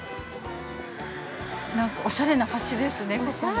◆おしゃれな橋ですね。